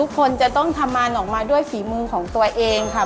ทุกคนจะต้องธรรมนออกมาด้วยฝีมูของตัวเองค่ะ